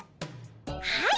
はい！